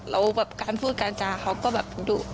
เราก็แบบการพูดกันจาเขาก็แบบดู